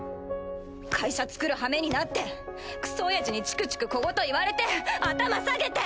会社つくるはめになってクソおやじにチクチク小言言われて頭下げて。